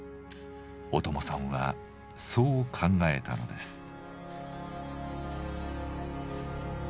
小友さんはそう考えたのです。